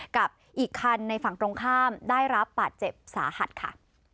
กับอีกคันในฝั่งตรงข้ามได้รับบาดเจ็บสาหัสค่ะ